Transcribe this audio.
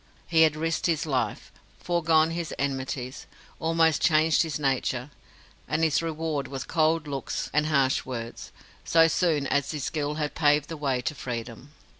He had risked his life, forgone his enmities, almost changed his nature and his reward was cold looks and harsh words, so soon as his skill had paved the way to freedom.